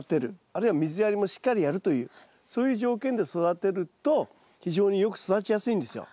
あるいは水やりもしっかりやるというそういう条件で育てると非常によく育ちやすいんですよ